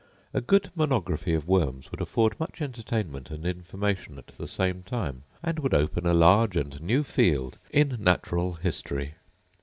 A good monography of worms would afford much entertainment and information at the same time, and would open a large and new field in natural history.